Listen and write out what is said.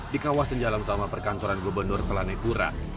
di kawasan jalan utama perkantoran gubernur telanekura